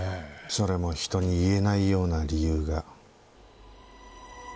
それも人に言えないような理由が。